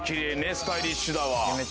スタイリッシュだわ。